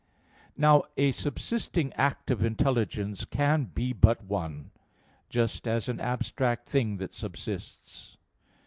Now a subsisting act of intelligence can be but one; just as an abstract thing that subsists.